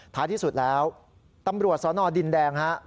ท้ายที่สุดแล้วตำรวจสนดินแดงฮะ